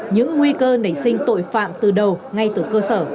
những nguy cơ nảy sinh tội phạm từ đầu ngay từ cơ sở